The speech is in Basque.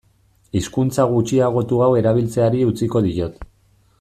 Hizkuntza gutxiagotu hau erabiltzeari utziko diot.